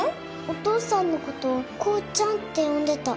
お父さんのことを功ちゃんって呼んでた。